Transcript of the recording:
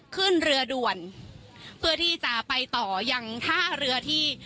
ขึ้นเรือด่วนเพื่อที่จะไปต่อยังท่าเรือที่